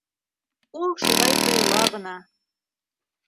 Ул шулай тойола ғына!